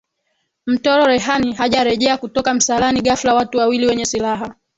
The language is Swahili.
Mtoro Rehani hajarejea kutoka msalani ghafla watu wawili wenye silaha